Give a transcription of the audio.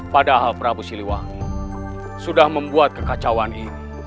padahal prabu siliwangi sudah membuat kekacauan ini